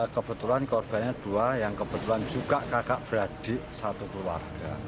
kebetulan korbannya dua yang kebetulan juga kakak beradik satu keluarga